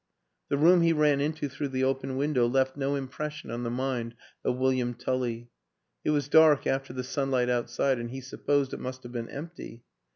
The room he ran into through the open window left no impression on the mind of William Tully; it was dark after the sunlight outside, and he sup posed it must have been empty.